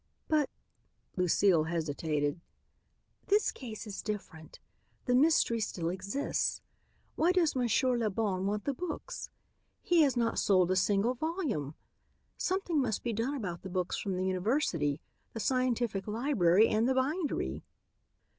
"But," Lucile hesitated, "this case is different. The mystery still exists. Why does Monsieur Le Bon want the books? He has not sold a single volume. Something must be done about the books from the university, the Scientific Library and the Bindery."